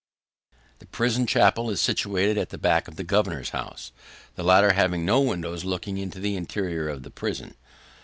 The prison chapel is situated at the back of the governor's house: the latter having no windows looking into the interior of the prison.